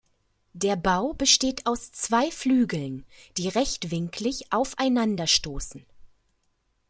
Der Bau besteht aus zwei Flügeln, die rechtwinklig aufeinanderstoßen.